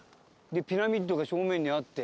ピラミッドが正面にあって。